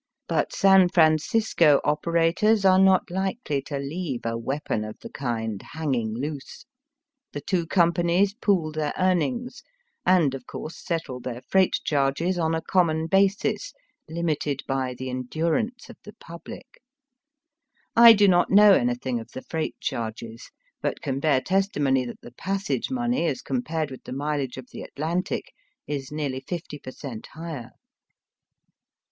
But San Francisco operators are not likely to leave a weapon of the kind hanging loose. The two companies pool their earnings, and of course settle their freight charges on a common basis limited by the endurance of the pubUc. I do not know anything of the freight charges, but can bear testimony that the passage money as com pared with the mileage of the Atlantic is nearly fifty per cent, higher.